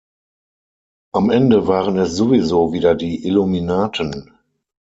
Am Ende waren es sowieso wieder die Illuminaten.